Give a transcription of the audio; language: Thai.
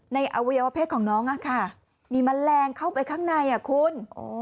อวัยวะเพศของน้องมีแมลงเข้าไปข้างในคุณ